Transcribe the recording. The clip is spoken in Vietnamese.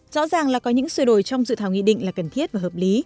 rõ ràng là có những sửa đổi trong dự thảo nghị định là cần thiết và hợp lý